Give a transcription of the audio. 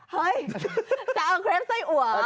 เฮ้ยจะเอาเครปไส้อัว